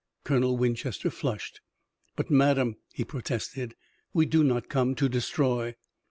Colonel Winchester flushed. "But madame," he protested, "we do not come to destroy."